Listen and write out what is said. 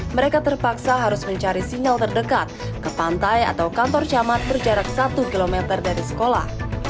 mereka terpaksa harus mencari sinyal terdekat ke pantai atau kantor camat berjarak satu km dari sekolah